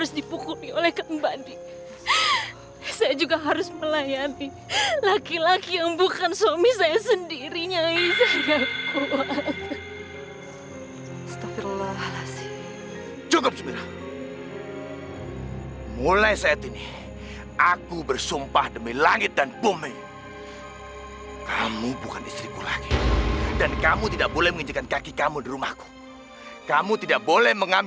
sampai jumpa di video selanjutnya